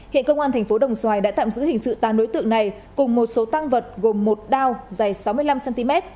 hiện công an thành phố đồng xoài đã tạm giữ hình sự tám đối tượng này cùng một số tăng vật gồm một đao dày sáu mươi năm cm